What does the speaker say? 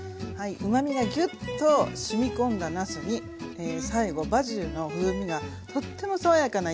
うまみがギュッとしみ込んだなすに最後バジルの風味がとっても爽やかな一品です。